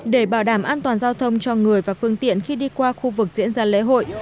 để bảo đảm an toàn giao thông cho người và phương tiện khi đi qua khu vực diễn ra lễ hội